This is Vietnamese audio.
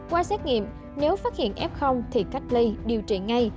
qua xét nghiệm nếu phát hiện f thì cách ly điều trị ngay